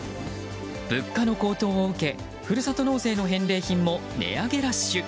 物価の高騰を受けふるさと納税の返礼品も値上げラッシュ。